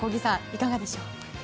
いかがでしょう。